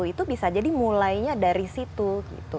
itu bisa jadi mulainya dari situ gitu